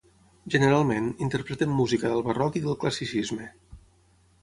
Generalment, interpreten música del barroc i del classicisme.